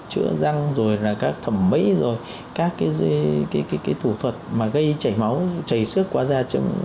chữa răng rồi là các thẩm mỹ rồi các cái thủ thuật mà gây chảy máu chảy xước qua da